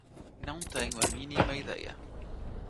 Não tenho a mínima ideia.